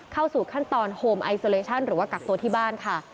เข้าสู่ขั้นตอนโฮมไอโซเลชั่นหรือว่ากักตัวที่บ้านค่ะ